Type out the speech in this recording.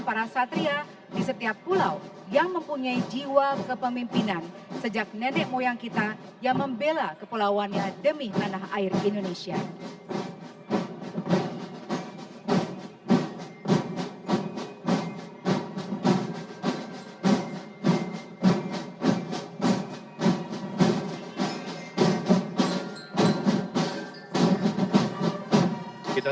para satria di setiap pulau yang mempunyai jiwa kepemimpinan sejak nenek moyang kita yang membela kepulauannya demi tanah air indonesia